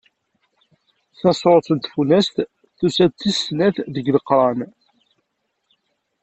Tasuret n Tfunast tusa-d d tis snat deg Leqran.